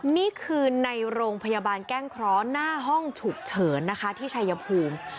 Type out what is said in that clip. นี่คือในโรงพยาบาลแก้งเคราะห์หน้าห้องฉุกเฉินนะคะที่ชายภูมิ